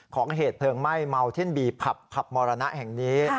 ของเหตุเครื่องไหม้มัลเท่นบีผับพับมรณะแห่งนี้